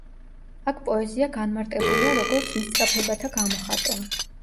აქ პოეზია განმარტებულია, როგორც მისწრაფებათა გამოხატვა.